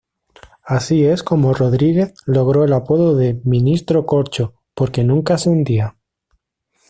Así es como Rodríguez logro el apodo de "ministro corcho" porque nunca se hundía.